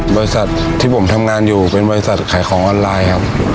บริษัทที่ผมทำงานอยู่เป็นบริษัทขายของออนไลน์ครับ